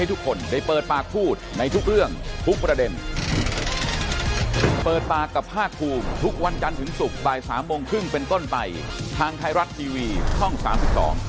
วันนี้ผมคิงธีรวัตรลาไปก่อนสวัสดีครับ